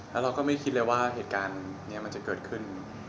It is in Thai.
แล้วเราก็ไม่คิดเลยว่าเหตุการณ์นี้มันจะเกิดขึ้น